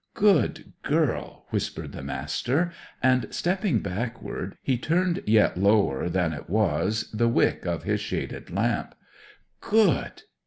"Good girl!" whispered the Master; and stepping backward, he turned yet lower than it was the wick of his shaded lamp. "Good!